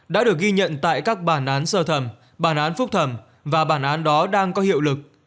đã được ghi nhận tại các bản án sơ thẩm bản án phúc thẩm và bản án đó đang có hiệu lực